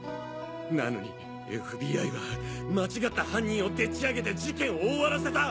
なのにＦＢＩは間違った犯人をでっち上げて事件を終わらせた！